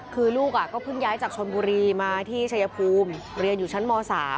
คือลูกก็เพิ่งย้ายจากชนบุรีมาที่ชายภูมิเรียนอยู่ชั้นม๓